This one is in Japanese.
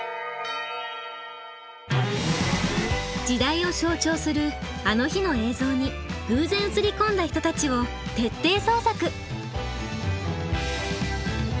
時代を象徴する「あの日」の映像に偶然映り込んだ人たちを徹底捜索。